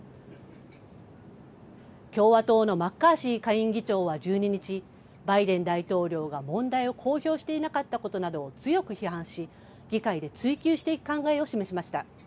共和党のマッカーシー下院議長は１２日バイデン大統領が問題を公表していなかったことなどを強く批判し議会で追及していく考えを示しました。